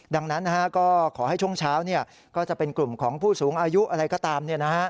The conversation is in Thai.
ดังนั้นก็ขอให้ช่วงเช้าก็จะเป็นกลุ่มของผู้สูงอายุอะไรก็ตาม